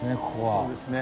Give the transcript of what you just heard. そうですね。